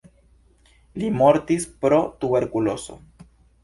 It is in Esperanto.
Li mortis pro tuberkulozo.